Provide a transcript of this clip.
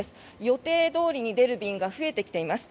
予定どおりに出る便が増えてきています。